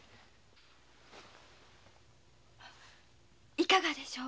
いかがでしょう？